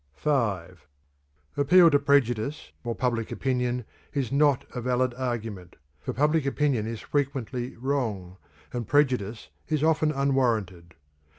(5) Appeal to prejudice or public opinion is not a valid argument, for public opinion is frequently wrong and prejudice is often unwarranted.